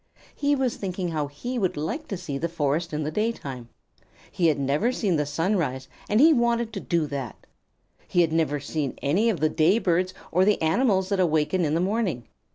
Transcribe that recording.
He was thinking how he would like to see the forest in the daytime. He had never seen the sun rise, and he wanted to do that. He had never seen any of the day birds or the animals that awaken in the morning.